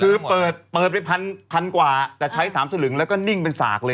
คือเปิดเปิดไว้๑๐๐๐กว่าแต่ใช้๓สรึงแล้วก็นิ่งเป็นศากเลยแล้ว